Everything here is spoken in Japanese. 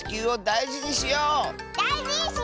だいじにしよう！